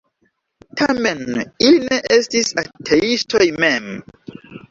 Tamen, ili ne estis ateistoj mem.